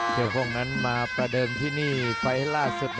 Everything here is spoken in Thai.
เผ็ดโค้งนั้นมาประเดิมที่นี่ไปเหล้าสุด